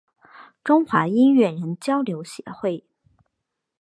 中华音乐人交流协会